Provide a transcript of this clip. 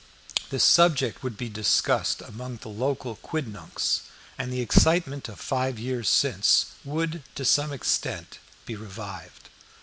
The subject would be discussed among the local quidnuncs, and the excitement of five years since would to some extent be revived.